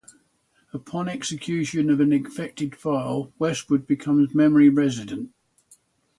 Upon execution of an infected file, Westwood becomes memory resident.